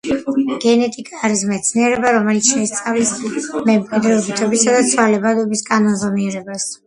გენეტიკა არის მეცნიერება, რომელიც შეისწავლის მემკვიდრეობითობისა და ცვალებადობის კანონზომიერებებს.